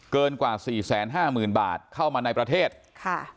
เกินกว่าสี่แสนห้าหมื่นบาทเข้ามาในประเทศค่ะ